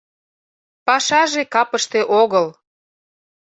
Пашаже капыште огыл.